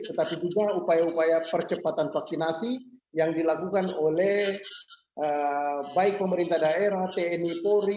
tetapi juga upaya upaya percepatan vaksinasi yang dilakukan oleh baik pemerintah daerah tni polri